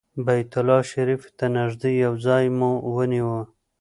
بیت الله شریفې ته نږدې یو ځای مو ونیو.